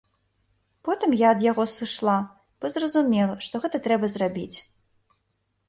Потым я ад яго сышла, бо зразумела, што гэта трэба зрабіць.